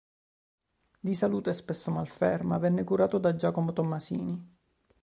Di salute spesso malferma, venne curato da Giacomo Tommasini.